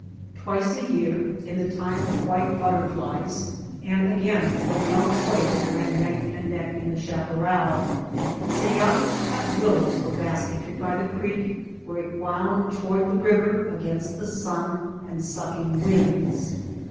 Twice a year, in the time of white butterflies and again when young quail ran neck and neck 169 THE BASKET MAKER in the chaparral, Seyavi cut willows for basketry by the creek where it wound to ward the river against the sun and sucking winds.